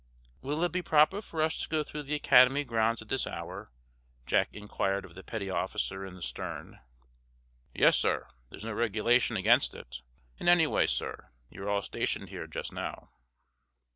"Will it be proper for us to go through the Academy grounds at this hour?" Jack inquired of the petty officer in the stern. "Yes, sir; there's no regulation against it. And, anyway, sir, you're all stationed here, just now."